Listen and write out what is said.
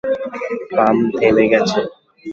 Pump থেমে গেছে!